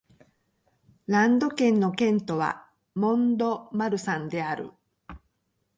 ランド県の県都はモン＝ド＝マルサンである